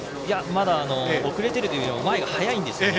まだ、遅れてるというより前が速いんですよね。